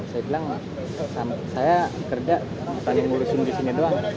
saya bilang saya kerja tanim gulusin di sini doang